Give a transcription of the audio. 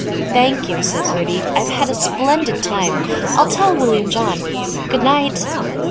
'" "Thank you," said Bertie. "I've had a splendid time. I'll tell William John. Goodnight."